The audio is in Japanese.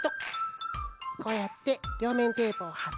こうやってりょうめんテープをはって。